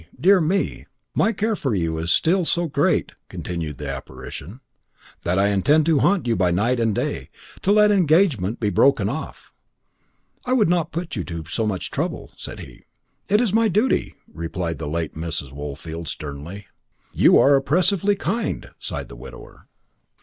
Dear me!" "My care for you is still so great," continued the apparition, "that I intend to haunt you by night and by day, till that engagement be broken off." "I would not put you to so much trouble," said he. "It is my duty," replied the late Mrs. Woolfield sternly. "You are oppressively kind," sighed the widower.